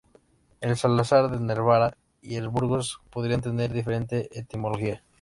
El Salazar de Navarra y el de Burgos podrían tener diferente etimología.